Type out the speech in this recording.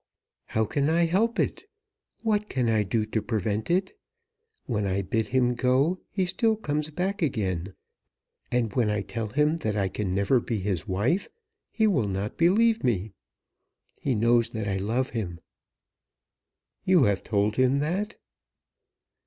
"How can I help it? What can I do to prevent it? When I bid him go, he still comes back again, and when I tell him that I can never be his wife he will not believe me. He knows that I love him." "You have told him that?"